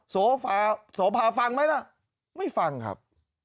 โสภาโสภาฟังไหมล่ะไม่ฟังครับ